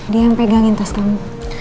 dia yang pegangin tas tamu